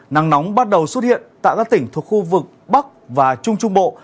nắng nóng bắt đầu xuất hiện tại các tỉnh thuộc khu vực bắc và trung trung bộ